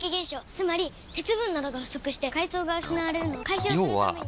つまり鉄分などが不足して藻が失われるのを解消するためにつだけだよ